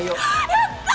やった！